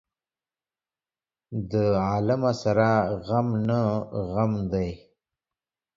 د عالمه سره غم نه غم دى.